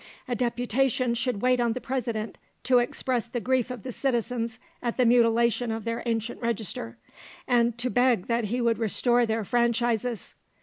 A deputation should wait on the President to express the grief of the citizens at the mutilation of their ancient register, and to beg that he would restore their franchises.